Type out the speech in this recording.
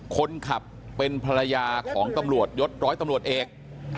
คนขับเป็นภรรยาของตำรวจยศร้อยตำรวจเอก